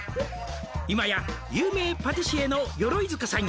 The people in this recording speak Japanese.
「いまや有名パティシエの鎧塚さんや」